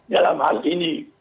dalam hal ini